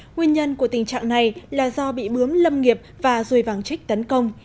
nguyên nhân của tình trạng này là do bị bướm lâm nghiệp và ruồi vàng trích tấn công